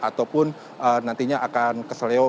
ataupun nantinya akan keseliau